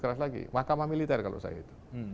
keras lagi mahkamah militer kalau saya itu